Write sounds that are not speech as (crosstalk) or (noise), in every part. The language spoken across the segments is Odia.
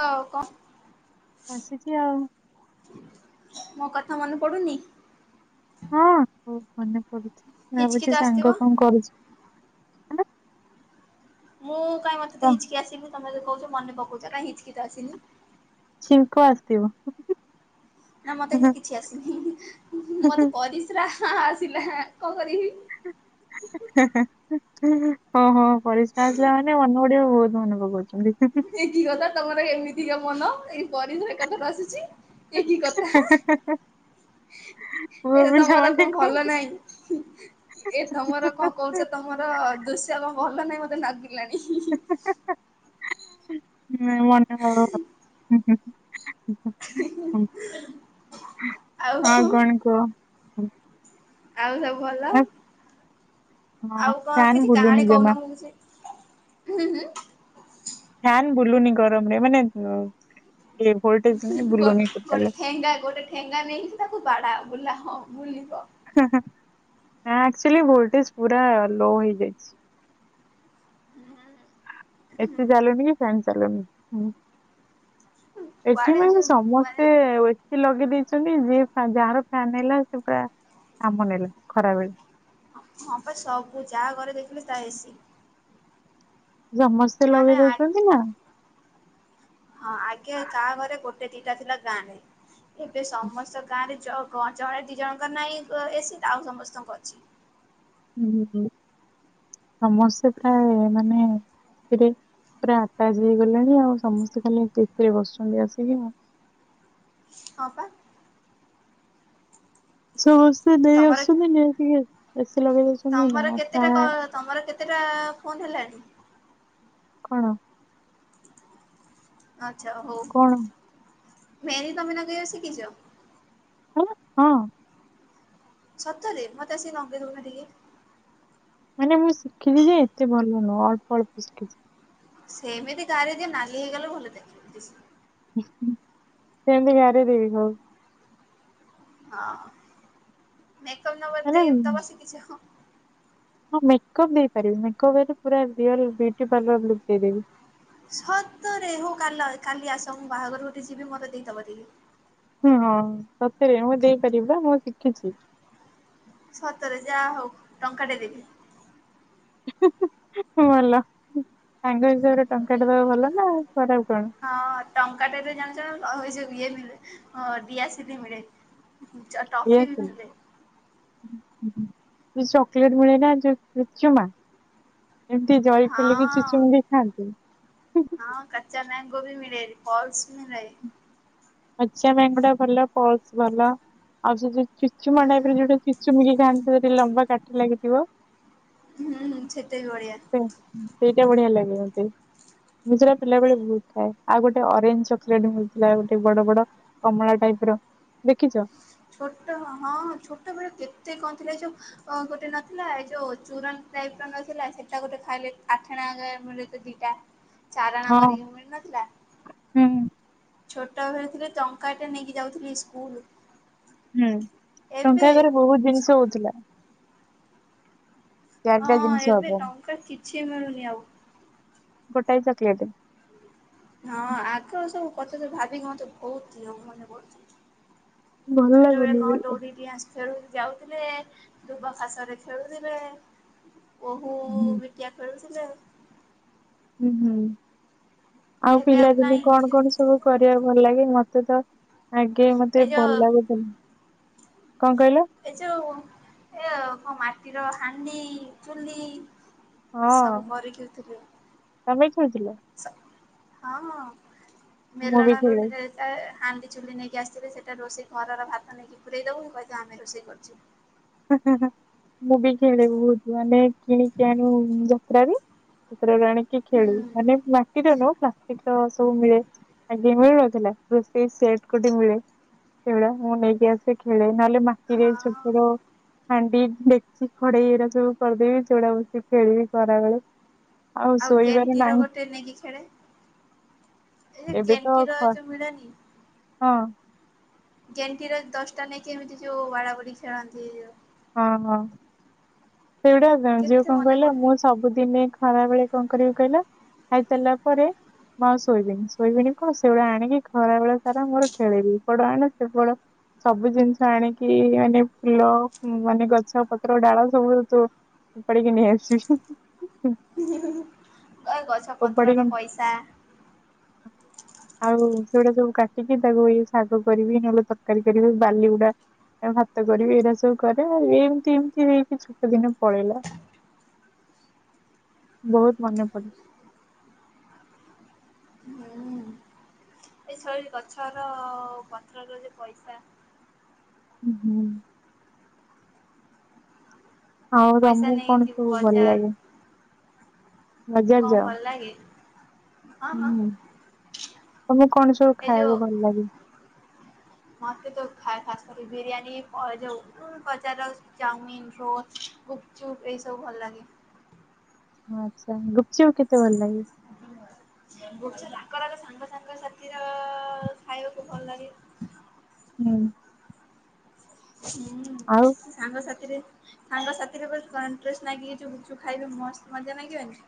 ହ କ (unintelligible) ବସିଛିି ଆଉ। ମୋ କଥା ମନେ ପଡୁନି? ହଁ ହଉ ମନେ ହିଚକି ତ ଭାବୁଛି ଆସିଥିବ। ସାଙ୍ଗ କଣ କରୁଚି? ମୁଁ କାଇ ମତେତ କଣ ହିଚକି ଆସିନି ତମେ ତ କହୁଚ ମନେ ପକଉଛ କାଇ ହଚକିଚ ତ ଆସିନି। ଛିଙ୍କ ଆସଥିବ। ନା ମତେ ତ କିଛି ଆସିନି ମତେ ପରିସ୍ରା ହଁ ଆସିଲା କଣ କରିବି? ହେଁ ହେଁ ହଁ ହଁ ପରିସ୍ରା ଆସିଲା ମାନେ (unintelligible) ମନେପକୋଉଚି। ଇଏ କିି କଥା ତମର ଏମିତି ଟିକେ ମନ ଏଇ ପରିଧ ଏକ ଥର ଆସିଚି ଏ କିି କଥା ପୁଅ ଏ ପିଲା ତମର ମାନେ କଁ କଣ ଭଲ ନାହିଁ ଏ ତମର କଣ କହୁଛ ତମର ଦୁଶ୍ୟ କଁ ଭଲ ନାହିଁ ମତ୍ (unintelligible) ଲାଣି ମନଟା (unintelligible) ହୁଁ ହୁଁ। (unintelligible) ଆଉ ଆ କଣ କୁହ? (inaudible) ଆଉ ସବୁ ଭଲ ହଁ ଆଉ କଁ ଫ୍ୟାନ କିଛି ବୁଲୁନି କାହାଣୀ ଜମା କହୁନା ମୁଁ କିଛି ହୁଁ ହୁଁ। ଫ୍ୟାାନ ବୁଲୁନି ଗରମରେ ମାନେ ଏ ଭୋଲଟେଜ ନାଇଁ ବୁଲୁନି ଗୋଟ୍ ଗୋଟେ ଟୋଟାଲ ଠେଙ୍ଗା ଗୋଟେ ଠେଙ୍ଗା ନେଇକି ତାକୁ ବାଡାଅ ବୁଲା। ହଁ ବୁଲିବ। (unintelligible) ଆକଚୋଲି ଭୋଲଟେଜ୍ ପୁରା ଲୋ ହେଇ ଯାଇଚି। ଏତେ ଜାଲଲେଣୀ ବି ଫ୍ୟାନ ଚାଲନି ହୁଁ। ଏଠି କୁଆଡେ ପାଇଁ ଉୁଁ ଯୋଉ ମାନେ ସମସ୍ତେ ଏସି ଲଗେଇ ଦେଇ ଚାନ୍ତି ଯିଏ ଫ୍ୟା ଯାହାର ଫ୍ୟାନେଲା ସେପୁରା ନାମ ନେଲା ଖରାବେଳେ। ହଁ ପା ସବୁ ଯା ଘରେ ଦେଖିନୁ ତା ଏସି ଜମସ୍ତେ ମାନେ ଲଗେଇ ଆ ଦଉଛନ୍ତି ନା। ହଁ ଆଗେ କାହା ଘରେ ଗୋ ସେ ଦିଇଟା ଥିଲା ଗାଁରେ। ଏବେ ସମସ୍ତ ଗାଁ ରେ ଚ କଣ ଚଣେ ଦି ଜଣଙ୍କ ର ନାହିଁ କ ଏସି ତାଉ ସମସ୍ତଙ୍କ ଅଛି। (unintelligible) ସମସ୍ତେ ପ୍ରାୟ ମାନେ ଏଠି ପୁରା ଆଟଚ ହେଇଗଲେଣି ଆଉ ସମସ୍ତେ ଖାଲି ଏସି ରେ ବସୁଛନ୍ତି ଆସିକି। ହଁ ପା। (inaudible) ଦେଇ ତମର ଆସୁନି ନେଇକି ଯାଉ। ଏସ୍। ତି ଲଗେଇଦେଇଛନ୍ତି ନା ତମର ଆ କେତେଟା କ ପ୍ରାୟ ତମର କେତେଟା ଫୋନ ହେଲାଣି? କଣ? ଯା ହଉ। କଣ ମେହେନ୍ଦି ତମେ ନଗେଇବା ଶିଖିଚ? ହଁ। ସତରେ ମତେ ଆସିି ନଗେଇ ଦଉନା ଟିକେ। ମାନେ ମୁଁ ଶିଖିଚି ଯେ ଏତେ ଭଲ ନୁହଁ ଅଳ୍ପ ଅଳ୍ପ ଶିଖିଚ଼ି। ସେମିତି ଗାରେଇ ଦିଅ ନାଲି ହେଇଗଲେ ଭଲ ଦେଖିବ ଦିସି ସେନ୍ତି ଗରେଇ ଦେବି ଖଉ। ହଁ। ମେକଅପ ନବା ଦେ ମାନେ ଦବା ଶିଖିଛ? ହଁ ମେକଅପ୍ ଦେଇପାରିବି ମେକପ ପୁରା ରିଅଲ ବିୟୁଟି ପାର୍ଲର ଲୁକ ଦେଇଦେବି। ସତରେ ହଉ କା କାଲି ଆସ ମୁଁ ବାହାଘର ଗୋଟେ ଯିବି ମୋର ଦେଇଦବ ଯଦି। ହୁଁ ହଁ ସତରେ ମୁଁ ଦେଇପାରିବି ପା ମୁଁ ଶିଖିଛି। ସତରେ ଯାହା ହଉ ଟଙ୍କା ଟେ ଦେବି। ଭଲ ସାଙ୍ଗ ହିସାବରେ ଟଙ୍କାଟବା ଭଲ ନା ଖରାପ କଣ। ଟଙ୍କାଟେରେ ଜାଣିଛ ହଁ ଯୋଉ ଦିଆ ଦିଆସିଲି ମିଳେ। ଟଫି ବି ମିଳେ (inaudible) ଚକଲେଟ ମିଳେ ନା ଯୋଉ ଚୁଚ୍ଚୁମା ଏମିତି ଜରି ଖୋଲିକି କି ହଁ। ଚୁଚୁମି ଖାଆନ୍ତି। କଚା ମିଳେ ଫଲସ ମିଳେ। କଚା ମଙ୍ଗୋ ଟା ଭଲ ପଲସ ଭଲ ଆଉ ସେ ଚୁଚୁମା ହୁଁ। ଟାଇପ ରେ ଯଉଟା ଚୁଚୁମି କି ଖାଆନ୍ତି ସେ ଲମ୍ବା କାଠି ଲାଗି ଥିବ। ହୁଁ। (unintelligible) ସେଇଟା ବଢିଆ ଲାଗେ ମତେ ମୁଁ ସେଇଟା ପିଲାବେଳେ ବହୁତ ଖାଏ ଆଉ ଗୋଟେ ଅରେଞ୍ଜ ଚକଲେଟ ମିଳୁଥିଲା ଗୋଟେ ବଡ ବଡ କମଳା ଟାଇପ ର ଦେଖିଛ? ଛୋଟ ହଁ ହଁ ଛୋଟ ବେଳେ କେତେ କଣ ଥିଲା ଏ ଯୋଉ ଗୋଟେ ନଥିଲା ଏ ଯୋଉ ଚୁରନ ଟାଇପ ର ନଥିଲା ସେଟା ଗୋଟେ ଥାଏ ଅଠେଣା ମିଳୁଥିଲା ଦିଟା। ଚାରଣା ହଁ କର ବି ମିଳୁନଥିଲା? ହୁଁ ଛୋଟ ବେଳେ ଥିଲେ ଟଙ୍କା ଟେ ନେଇକି ଯାଉଥିଲି ସ୍କୁଲ। ହୁଁ ଏବେ ଟଙ୍କା ଘରେ ବହୁତ ଜିନିଷ ହଉଥିଲା। ଚାରିଟା ହଁ ଜିନିଷ ଏବେ ହବ ଟଙ୍କା କିଛି ମିଳୁନି ଆଉ। ଗୋଟାାଇ ଚୋଗୋଲେଡ ହଁ ଆଗ ସବୁ କଥା ତ ଭାବିକି ମତେ ବହୁତ ିଅ ମନେ କର ଭଲ ଲାଗୁନି। ଖେଳ ଯାଉଥିଲେ ଦୁବ ଖାସ ରେ ଖେଳୁଥିଲେ। ବୋଉ ହୁଁ ବିଟିଆ ଖେଳୁ ହ (unintelligible) ହୁଁ ହୁଁ। ଆଉ ଏବେ ପିଲାଦିନେ କାଇଁ କଣ କଣ ସବୁ କରିବାକୁ ଭଲ ଲାଗେ ମତେ ତ ଆଗେ ଏ ମତେ ଯୋଉ ଭଲ ଲାଗୁଥିଲା। କଣ କହିଲ ଏ ଯୋଉ ଏ କଣ ମା ମାଟିର ହାଣ୍ଡି ଚୁଲି ହଁ ସବୁ କରିକିଉଥିଲୁ ତମେ ଖାଇଥିଲ। ହ ହ। ବି ମେଲଣରୁ ଖେଳେ ହାଣ୍ଡି ଚୁଲି ନେଇକି ଆସିଥିଲେ ସେ ଏ ରୋଷେଇ ଘରର ଭାତ ନେଇକି ପୁରେଇ ଦେବୁ (unintelligible) ରୋଷେଇ କରୁଛି ହୁଁ ହୁଁ ହୁଁ। ମୁଁ ବି ଖେଳିବି ବହୁତ ମାନେ କିଣିକି ଆଣୁ ଯାତ୍ରା ବି ପତ୍ରରେ ଆଣିକି ହୁଁ ଖେଳୁ ମାନେ ମାଟିରେ ନୁହେଁ ପ୍ଲାଷ୍ଟିକରେ ସବୁ ମିଳେ ଆଗେ ମିଳୁନଥିଲା ରୋଷେଇ ସେଟ୍ ଗୋଟେ ମିଳେ ଖେଳେ ମୁଁ ନେଇକି ଆସେ ଖେଳେ ନହେଲେ ମାଟିରେ ହଁ ଛୋଟ ର ହାଣ୍ଡି ଡେକଚି କଡ଼େଇ ଏଗୁଡା ସବୁ କରିଦେବି ସେଗୁଡା ବସି ଖେଳିବି ଖରାବେେଳ ଆଉ ଗେଣ୍ଟିର ଗୋଟେ ନେଇକି ଖେଳେ ଏ ଏବେ ତ ଗେଣ୍ଟିର ଖ ଯୋଉ ମିଳେନି ହଁ ଗେଣ୍ଟିର ଦଶଟା ନେଇକି ଏମିତି ଯୋଉ ବାଡା ବାଡି ଖେଳନ୍ତି। ହଁ ହଁ। ସେଇଗୁଡା ଯଉ କେତେ କଣ ମନେ କହିଲେ ମୁଁ ପଡୁନି ସବୁଦିନେ ଖରା ବେଳେ କଣ କରିବି କହିଲା ଖାଇସାରିଲା ପରେ ମୁଁ ଆଉ ଶୋଇବିନି ଶୋଇବିନି କଣ ସେଇଭଳିଆ ଆଣିକି ଖରା ବଳେ ସାରା ମୋର ଖେଳିବି ଏପଟ ଆଣେ ସେପଟ ସବୁ ଜିନିଷ ଆଣିକି ମାନେ ଫୁଲ ମାନେ ଗଛ ପତ୍ର ଡାଳ ସବୁ ତ ଉପାଡ଼ିିକି ନେଇ ଆସିବି। ଗଛ ଉପାଡିକି ପତ୍ରର ପଇସା ଆଉ ସେଗୁଡା ସବୁ କାଟିକି ତାକୁ ଇ ଶାଗ କରିବି ନହେଲେ ତରକାରୀ କରିବି ବାଲିଗୁଡା ଭାତ କରିବି ଏଇଡା ସବୁ କରେ ଆଉ ଏମିତି ଏମତି ହେଇକି ସେ ଦିନ ପଳେଇଲା ବହୁତ ମନେ ପଡେ। ହୁଁ ଏ (unintelligible) ଗଛର ପତ୍ରର ଯଦି ପଇସା ହୁଁ। ଆଉ ପଇସା ତମକୁ ନେଇ କଣ ଯିବୁ ସବୁ ଭଲ ଲାଗେ? ବଜାର ହଁ ଯାଅ? ଭଲ ଲାଗେ। ହଁ ହଁ ହୁଁ ତମକୁ କଣ ସବୁ ଏ ଯୋଉ ଖାଇବାକୁ ଭଲ ଲାଗେ? ମତେ ଯୋଉ ଶାଶୁ ବିରିୟାନୀ ଏ ଯୋଉ ବଜାରର ଚାଉମିନ ରୋଲ୍ ଗୁପଚୁପ୍ ଏଇ ସବୁ ଭଲ ଲାଗେ। ଆଚ୍ଛା ଗୁପଚୁପ କେତେ ଭଲ ଲାଗେ? (unintelligible) (inaudible) ଉତ୍କଳ ର ସାଙ୍ଗ ସାଙ୍ଗ ସାଥିର ଖାଇବାକୁ ଭଲ ଲାଗେ। ହୁଁ। ହୁଁ ଆଉ ସାଙ୍ଗସାଥିରେ। ସାଙ୍ଗ ସାଥି ରେ ଯୋଉ କନଟେଷ୍ଟ ବଲାଗି ଯୋଉ ଖାଇବ ମସ୍ତ ମଜା ଲାଗିବନି।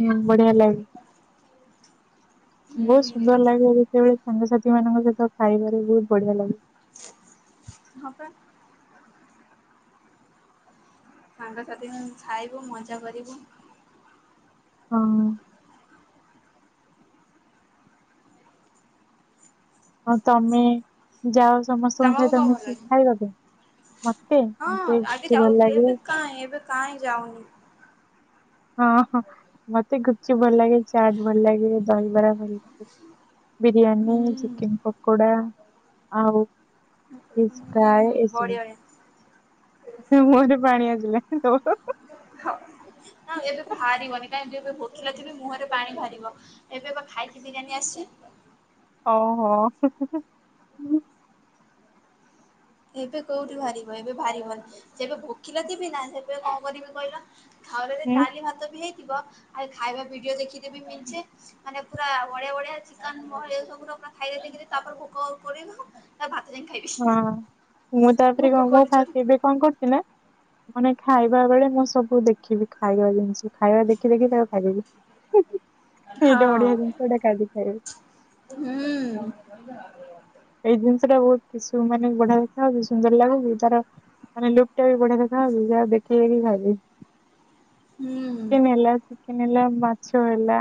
ହୁଁ ବଢିଆ ଲାଗେ। ବହୁତ ହୁଁ ସୁନ୍ଦର ଲାଗେ ଯେତେବେଳେ ସାଙ୍ଗସାଥି ସେମାନଙ୍କ ସହିତ ଖାଇବାରେ ବହୁତ ବଢିଆ ଲାଗେ। ହଁ ପରା। ସାଙ୍ଗସାଥି ଖାଇବୁ ମଜା କରିବୁ। ହଁ। ହ ତମେ ଯାଅ। ସମସ୍ତଙ୍କ ତମକୁ ସହିତ କଣ ଭଲ ମିଶିକି ଲାଗେ? ଖାଇବ କିଏ ମତେ ହଁ ମତେ ଆଗେ ଗୁପଚୁପ ଭଲ ଯାଉଥିଲି ଏବେ ଲାଗେ। କାହିଁ ଏବେ କାହିଁ ଯାଉନି। ହଁ ହଁ ମତେ ଗୁପଚୁପ୍ ଭଲ ଲାଗେ ଚାଟ ଭଲ ଲାଗେ ଦହିବରା ଭଲ ଲାଗେ। ବିରିୟାନୀ ହୁଁ ଚିକେନ ପକୋଡ଼ା। ଆଉ। ଫିସ ଫ୍ରାଏ ହୁଁ ଏ ସବୁ। ବଢିଆ ବଢିଆ। ମୋ ମୁଁହ ରୁ ପାଣି ଆସିଲା ତୋର? ହଁ ଏବେ ବାହାରିବନି କାଇଁ ଏବେ ଏବେ ଭୋକିଲା ଥିବି ମୁହରେ ପାଣି ବାହାରିବ ଏବେ ପା ଖାଇକି ବିରିୟାନୀ ଆସିଛି। ଓ ହୋ। ଏବେ କୋଉଠି ବାହାରିବ ଏବେ ବାହାରିବନି ଯେବେ ଭୋକିଲା ଥିବି ନା ସେବେ କଣ କରିବି କହିଲ? ଘରେ ହୁଁ, ଡାଲି ଭାତ ବି ହେଇ ଥିବ ଆଗ ଖାଇବା ଭିଡିଓ ଦେଖି ଦେବି ମେଞ୍ଚେ ମାନେ ପୁରା ବଢିଆ ବଢିଆ ଚିକେନ ବହେ ସବୁ ର ଖାଇବା ଦେଖିଦେବି ତାପରେ ଭୋକ କରିବ ତା ଭା ଯାଇଁକି ଖାଇବିି। ହଁ ମୁଁ ତାପରେ କ ମୁଁ ଫାର୍ଷ୍ଟ ଏବେ କଣ କରୁଛି ନା। ମାନେ ଖାଇବା ବେଳେ ମୁଁ ସବୁ ଦେଖିବି ଖାଇବା ଜିନିଷ ଖାଇବା ଦେଖି ଦେଖି ତାକୁ ଖାଇଦେବି। ସେଇଟା ହଁ ବଢିଆ ଜିନିଷଟା କାଲି ଖାଇବି। ହୁଁ। ଏଇ ଜିନିଷ ଟା ବହୁତ କିଶୁ କିଛି ମାନେ ବଢିଆ ଦେଖା ହଉଛି ସୁନ୍ଦର ଲାଗୁଛି ତାର ମାନେ ଲୁକ୍ ଟା ବି ବଢିଆ ଦେଖା ହଉଛି ଯାହା ଦେଖୁ ଦେଖୁ ଖାଇଦେବି। ହୁଁ ଚିକେନ ହେଲା। କେନ ହେଲା ମାଛ ହେଲା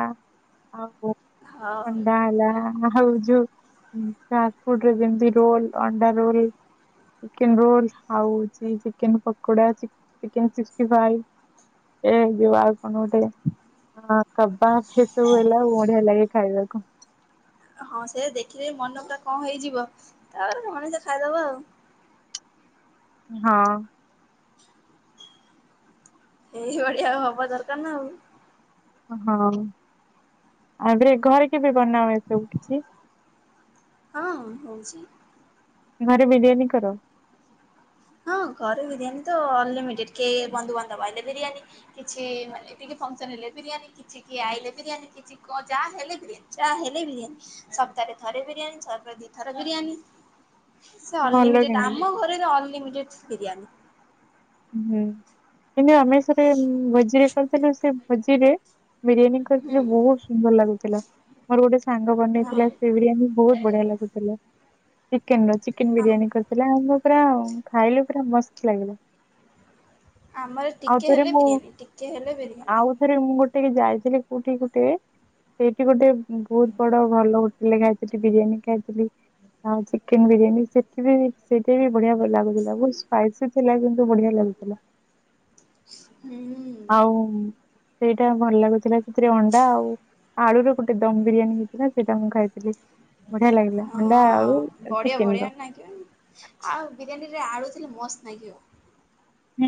ଆଉ। ହଉ। ଥଣ୍ଡା ହେଲା ଆଉ ଯୋଉ ହୁଁ। ଫାର୍ଷ୍ଟ ଫୁଡ୍ ରେ ବି ଯେମିତି ରୋଲ୍, ଅଣ୍ଡା ରୋଲ୍ ଚିକେନ୍ ରୋଲ୍, ଆଉ ହଉଚି chicken pakoda, ଚିକ chicken sixty five ଏ ଯୋଉ ଆଉ କଣ ଗୋଟେ ଆ, କବାବ ଏ ସବୁ ହେଲା ଆଉ ବଢିଆ ଲାଗେ ଖାଇବାକୁ। ହଁ ସେ ଦେଖିଲେ ମନ ପୁରା କଣ ହେଇଯିବ ତାପରେ ସେମାନେ ସେ ଖାଇଦବ। ହଁ। ଏଇଭଳିଆ ହବା ଦରକାର ନା ଆଉ। ହଁ ଆରେ ଘରେ କେବେ ବନାଅ ଏ ସବୁ? ହଁ ହଉଛି। ଘରେ ବିରିୟାନୀ କର? ହଁ ଘରେ ବିରିୟାନୀ ତ ଅନଲିମିଟେଡ୍। କେ ଏ ବନ୍ଧୁବାନ୍ଧବ ଆଇଲେ ବିରିୟାନୀ, କିଛି ମାନେ ଟିକେ ଫଂକ୍ସନ୍ ହେଲେ ବିରିୟାନୀ, କିଛି କି ଆଇଲେ ବିରିୟାନୀ କିଛି କ -ଯାହା ହେଲେ ବିରିୟାନୀ, ଯାହା ହେଲେ ବିରିୟାନୀ ସପ୍ତାହରେ ଥରେ ବିରିୟାନୀ, ସପ୍ତାହ ରେ ଦି ଥରେ ବିରିୟାନୀ। ସେ ଭଲ ଅନଲିମିଟେଡ୍। କିନ୍ତୁ ଆମ ଘରେର ଅନଲିମି କିଟସ୍ ବିରିୟାନୀ। ହୁଁ କିନ୍ତୁ ଆମେ ସେଠି ଭୋଜିରେ କରିଥିଲୁ। ସେ ଭୋଜିରେ ବିରିୟାନୀ କରିଥିଲୁ ହୁଁ ବହୁତ ସୁନ୍ଦର ଲାଗୁଥିଲା। ମୋର ଗୋଟେ ସାଙ୍ଗ ହଁ ବନେଇଥିଲା ସେ ବିରିୟାନୀ ବହୁତ ବଢିଆ ଲାଗୁଥିଲା। ଚିକେନ୍ ର ଚିକେନ୍ ଆମ ବିରିୟାନୀ କରିଥିଲା। ଆଉ ମୁଁ ପୁରା ଆଉ ଖାଇଲୁ ପୁରା ମସ୍ତ ଲାଗିଲା। ଆମର ଆଉ ଟିକେ ଥରେ ହେଲେ ମୁଁ ବିରିୟାନୀ ଟିକେ ହେଲେ ବିରିୟାନୀ। ଟିକେ ଯାଇଥିଲି କୋଉଠି ଗୋଟେ ସେଇଠି ଗୋଟେ ବହୁତ ବଡ ଭଲ ହୋଟେଲ୍ ରେ ଖାଇଥିଲି ବିରିୟାନୀ ଖାଇଥିଲି। ଆଉ ଚିକେନ୍ ବିରିୟାନୀ ସେଠି ବି ସେଠି ଭି ବଢିଆ ଭଲ ଲାଗୁଥିଲା ବହୁତ୍ ସ୍ପାଇସି ଥି (inaudible) ତ ବଢିଆ ଲାଗୁଥିଲା। ଆଉ ସେଇଟା ଭଲ ଲାଗୁଥିଲା। ସେଥିରେ ଅଣ୍ଡା ଆଉ ଆଳୁର ଗୋଟେ ଦମ୍ ବିରିୟାନୀ ହେଇଥିଲା ସେଇଟା ମୁଁ ଖାଇଥିଲି। ବଢିଆ ଲାଗିଲା ହଁ ଅଣ୍ଡା ଆଳୁ ବଢିଆ ଚିକେନ ର ବଢିଆ ନାଗିବ ନା, ଆଉ ବିରିୟାନୀ ସେଥିରେ ଆଳୁଥିଲେ ମସ୍ତ ନାଗିବ। ହୁଁ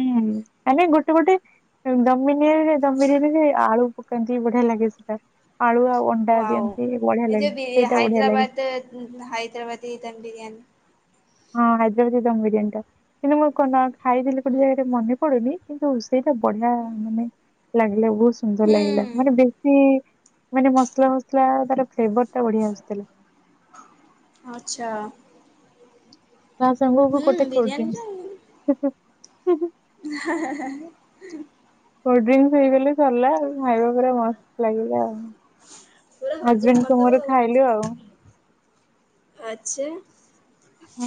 ଆମେ ଗୋଟେ ଗୋଟେ ଦମ୍ ମି ବିରିୟାନୀ ରେ ଦମ୍ ବିରିୟାନୀ ରେ ଆଳୁ ପକାନ୍ତି ବଢିଆ ଲାଗେ ସେଟା। ଆଳୁ ଆଉ ଅଣ୍ଡା ଦିଅନ୍ତି ବଢିଆ ୱାଅ ଏ ଲାଗେ ଯେବି ସେଇଟା ବଢିଆ ଲାଗେ। ହାଇଦ୍ରାବାଦ ଉଁ, ହାଇଦ୍ରାବାଦୀ ଦମ୍ ବିରିୟାନୀ। ହଁ ହାଇଦ୍ରାବାଦୀ ଦମ୍ ବିରୀୟାନୀ ଟା କିନ୍ତୁ ମୁଁ କଣନା ଖାଇଥିଲି ଗୋଟେ ଜାଗାରେ ମନେ ପଡୁନି କିନ୍ତୁ ସେଇଟା ବଢିଆ ମାନେ ଲାଗିଲା ବହୁତ୍ ସୁନ୍ଦର ହୁଁ ଲାଗିଲା, ମାନେ ବେଶୀ ମାନେ ମସଲା ଫସଲା ତାର ଫ୍ଲେଭର୍ ଟା ବଢିଆ ଆସୁଥିଲା। ଆଚ୍ଛା ତା ସାଙ୍ଗକୁ ହୁଁ ଗୋଟେ କୋଲଡ୍ରିଙ୍କସ। ହୁଁ ହୁଁ। ହା ହା ହା ହା। କୋଲଡ୍ରିଙ୍କସ ହେଇଗଲେ ସରିଲା ଆଉ। ଖାଇବା ପୁରା ମସ୍ତ ଲାଗିଲା ଆଉ ପୁରା ହଜମ ହଜବେଣ୍ଡ କୁ ମୋର ଖାଇଲୁ ଆଉ। ଆଛା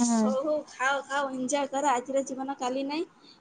ହୁଁ। ହଉ ଖାଅ। ଖାଓ ଏଞ୍ଜୟ୍ କର ଆଜିର ଜୀବନ କାଲି ନାଇଁ।